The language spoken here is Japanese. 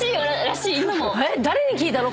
誰に聞いたの？